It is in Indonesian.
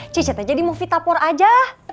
cucu tuh jadi mau fitapor aja